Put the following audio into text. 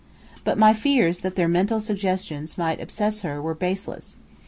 But my fears that their mental suggestions might obsess her were baseless.